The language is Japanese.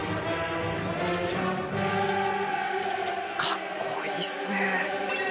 かっこいいですねー。